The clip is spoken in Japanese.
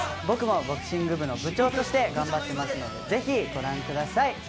僕もボクシング部の部長として頑張ってますのでぜひご覧ください。